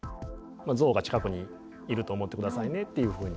ゾウが近くにいると思って下さいねっていうふうに。